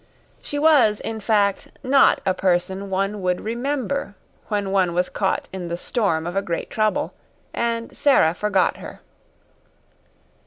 She was, in fact, not a person one would remember when one was caught in the storm of a great trouble, and Sara forgot her.